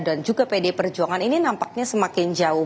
dan juga pd perjuangan ini nampaknya semakin jauh